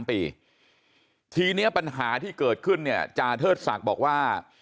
ปีทีนี้ปัญหาที่เกิดขึ้นเนี่ยจาเทิดศักดิ์บอกว่า